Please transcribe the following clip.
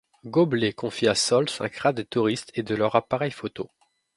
Gobelet confie à Sol sa crainte des touristes et de leur appareil photo.